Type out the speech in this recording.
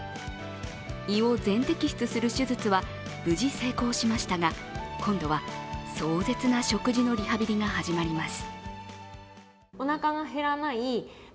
胃を全摘出する手術は無事、成功しましたが今度は壮絶な食事のリハビリが始まります。